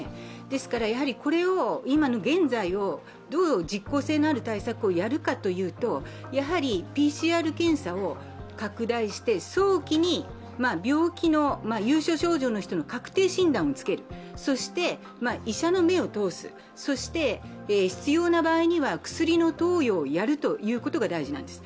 ですからやはり、これを現在どう実効性のある対策をやるかというとやはり、ＰＣＲ検査を拡大して早期に、病気の有症の方確定診断をつける、そして、医者の目を通す、そして必要な場合には薬の投与をやるということが大事なんです。